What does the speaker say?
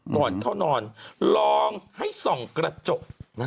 ก่อนเข้านอนลองให้ส่องกระจก